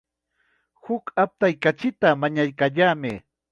Huk aptay kachita mañaykallamay.